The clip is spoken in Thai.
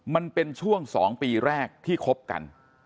มันเป็นช่วง๒ปีแรกที่คบกัน